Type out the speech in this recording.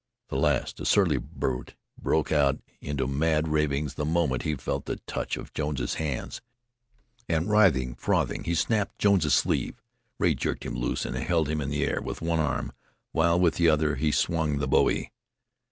The last, a surly brute, broke out into mad ravings the moment he felt the touch of Jones's hands, and writhing, frothing, he snapped Jones's sleeve. Rea jerked him loose and held him in the air with one arm, while with the other he swung the bowie.